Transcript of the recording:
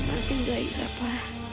maafkan zaira pa